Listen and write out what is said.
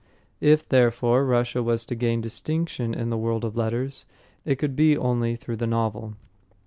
If, therefore, Russia was to gain distinction in the world of letters, it could be only through the novel.